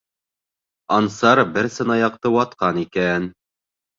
Ансар бер сынаяҡты ватҡан икән.